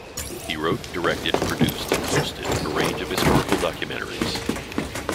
He wrote, directed, produced and hosted a range of historical documentaries.